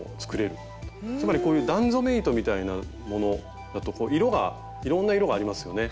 つまりこういう段染め糸みたいなものだといろんな色がありますよね。